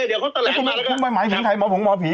เดี๋ยวเขาแถลงขึ้นมาแล้วก็หมายถึงใครหมอผงหมอผี